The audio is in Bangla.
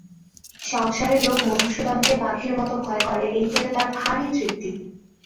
সংসারের লোক মধুসূদনকে বাঘের মতো ভয় করে এইটেতে তার ভারি তৃপ্তি।